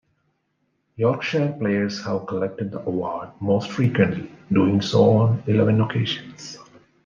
Yorkshire players have collected the award most frequently, doing so on eleven occasions.